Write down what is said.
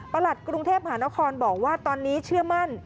หลัดกรุงเทพหานครบอกว่าตอนนี้เชื่อมั่น